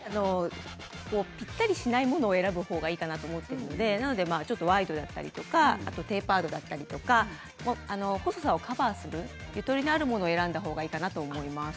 ぴったりしないものを選ぶほうがいいかなと思ったのでワイドだったりテーパードだったりとか細さをカバーするゆとりがあるものを選んだほうがいいかなと思います。